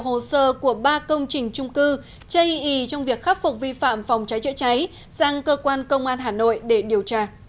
hồ sơ của ba công trình trung cư chây ý trong việc khắc phục vi phạm phòng cháy chữa cháy sang cơ quan công an hà nội để điều tra